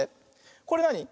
これなに？